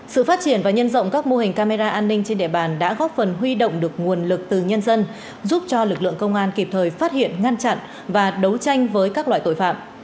sự phát triển và nhân rộng các mô hình camera an ninh trên địa bàn đã góp phần huy động được nguồn lực từ nhân dân giúp cho lực lượng công an kịp thời phát hiện ngăn chặn và đấu tranh với các loại tội phạm